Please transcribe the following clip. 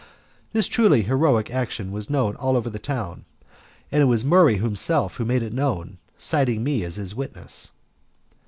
This truly heroic action was known all over the town, and it was Murray himself who made it known, citing me as his witness.